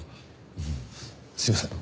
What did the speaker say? すいません。